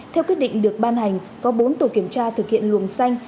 theo quyết định được ban hành có bốn tổ kiểm tra thực hiện luồng xanh